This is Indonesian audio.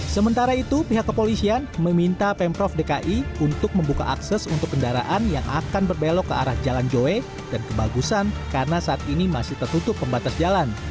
sementara itu pihak kepolisian meminta pemprov dki untuk membuka akses untuk kendaraan yang akan berbelok ke arah jalan joe dan kebagusan karena saat ini masih tertutup pembatas jalan